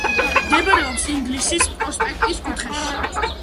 მდებარეობს ინგლისის პროსპექტის კუთხეში.